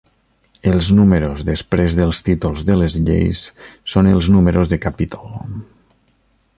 Els números després dels títols de les Lleis són els números de capítol.